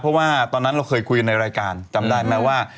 เพราะว่าตอนนั้นเราเคยคุยกันในรายการจำได้ไหมว่า